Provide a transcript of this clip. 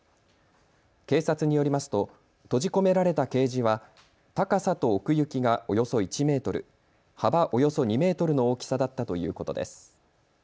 警察によりますと閉じ込められたケージは高さと奥行きがおよそ１メートル、幅およそ２メートルの大きさだったということです。